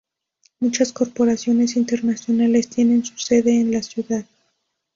Muchas corporaciones internacionales tienen su sede en la ciudad.